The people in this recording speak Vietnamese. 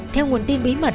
theo nguồn tin bí mật